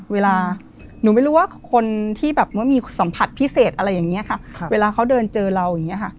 เวลาหนูไม่รู้ว่าคนที่แบบว่ามีสัมผัสพิเศษอะไรอย่างนี้ค่ะเวลาเขาเดินเจอเราอย่างนี้ค่ะ